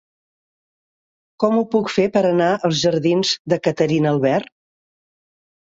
Com ho puc fer per anar als jardins de Caterina Albert?